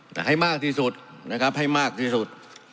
แต่ให้มากที่สุดนะครับให้มากที่สุด